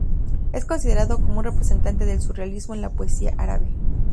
Es considerado como un representante del surrealismo en la poesía árabe.